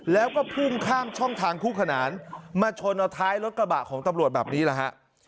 แล้วก็พุ่งข้ามช่องทางคู่ขนานมาชนเอาท้ายรถกระบะของตำรวจแบบนี้แหละฮะ